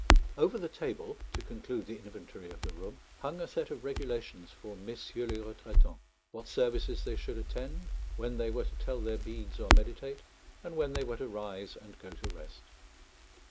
Over the table, to conclude the inventory of the room, hung a set of regulations for MM. les retraitants: what services they should attend, when they were to tell their beads or meditate, and when they were to rise and go to rest.